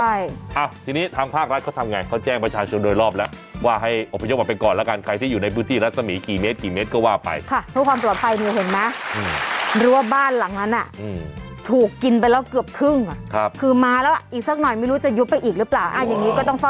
วันที่๒๒มิถุนายนค่ะเยี่ยมคนพิการจะได้รับเพิ่มอีก๒๐๐บาทต่อเดือนก็คือผู้พิการที่มีอายุ๑๘ปีขึ้นไปนะคะ